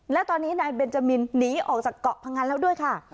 และตอนนี้นายเบนจามินหนีออกจากเกาะพังงันแล้วด้วยค่ะ